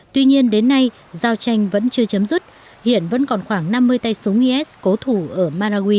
tuy nhiên đến nay giao tranh vẫn chưa chấm dứt hiện vẫn còn khoảng năm mươi tay súng is cố thủ ở marawi